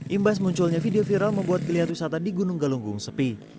imbas munculnya video viral membuat geliat wisata di gunung galunggung sepi